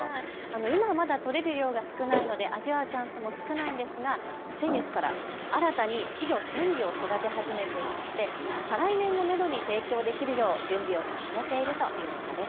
今はまだ取れる量が少ないので味わうチャンスも少ないですが先月から新たに稚魚１０００尾を育て始めていまして再来年をめどに提供できるよう準備を進めているということです。